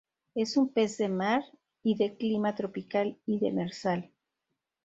Es un pez de mar y, de clima tropical y demersal.